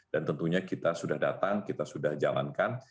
dan tentunya kita sudah datang kita sudah jalankan